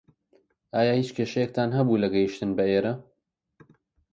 ئایا هیچ کێشەیەکتان هەبووە لە گەیشتن بە ئێرە؟